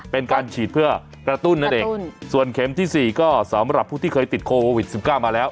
เป็นการฉีดเพื่อกระตุ้นนั่นเองส่วนเข็มที่๔ก็สำหรับผู้ที่เคยติดโควิด๑๙มาแล้ว